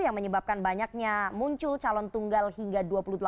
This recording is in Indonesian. yang menyebabkan banyaknya muncul calon tunggal hingga dua puluh delapan